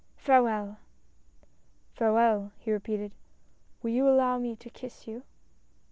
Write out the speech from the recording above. Farewell !"" Farewell !" he repeated. " Will you allow me to kiss you?"